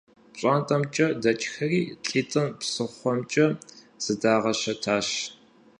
ПщӀантӀэмкӀэ дэкӀхэри лӀитӀым псыхъуэмкӀэ зыдагъэщэтащ.